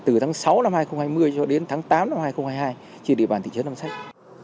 từ tháng sáu năm hai nghìn hai mươi cho đến tháng tám năm hai nghìn hai mươi hai trên địa bàn thị trấn nam sách